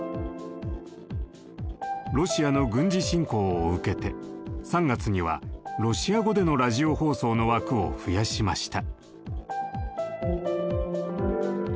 ロシアの軍事侵攻を受けて３月にはロシア語でのラジオ放送の枠を増やしました。